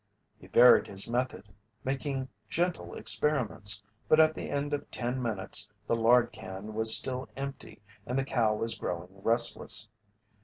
He varied his method, making gentle experiments, but at the end of ten minutes the lard can was still empty and the cow was growing restless.